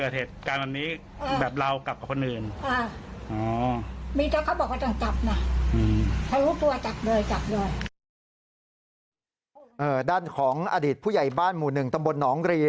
ด้านของอดิษฐ์ผู้ใหญ่บ้านหมู่หนึ่งตำบลน้อง